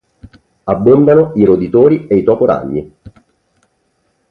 Abbondano i roditori e i toporagni.